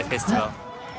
ini pertama kali